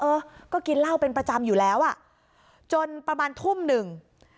เออก็กินเหล้าเป็นประจำอยู่แล้วอ่ะจนประมาณทุ่มหนึ่ง